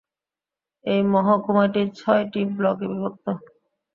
এই মহকুমাটি ছয়টি ব্লকে বিভক্ত।